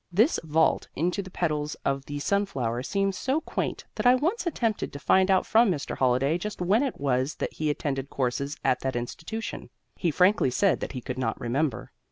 This vault into the petals of the sunflower seems so quaint that I once attempted to find out from Mr. Holliday just when it was that he attended courses at that institution. He frankly said that he could not remember.